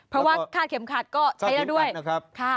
เพราะว่าค่าเข็มขาดก็ใช้ได้ด้วยค่ะ